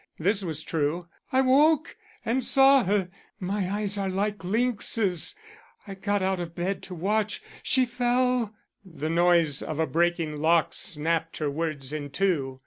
This was true. "I woke and saw her. My eyes are like lynx's. I got out of bed to watch. She fell " The noise of a breaking lock snapped her words in two.